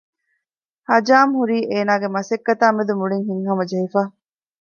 ހަޖާމް ހުރީ އޭނާގެ މަސައްކަތާ މެދު މުޅިން ހިތްހަމަ ޖެހިފަ